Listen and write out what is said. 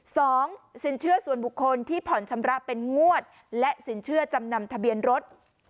สินเชื่อส่วนบุคคลที่ผ่อนชำระเป็นงวดและสินเชื่อจำนำทะเบียนรถ